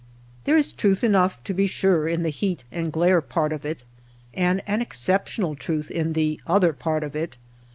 There is truth enough, to be sure, in the heat and glare part of it, and an exceptional truth in the other part of it.